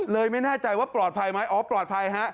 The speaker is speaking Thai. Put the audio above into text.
ไม่แน่ใจว่าปลอดภัยไหมอ๋อปลอดภัยฮะ